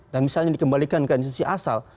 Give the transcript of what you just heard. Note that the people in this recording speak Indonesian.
dan misalnya dikembalikan ke institusi asal